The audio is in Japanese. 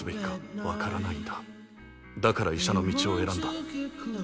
だから医者の道を選んだ。